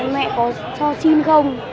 mẹ có cho xin không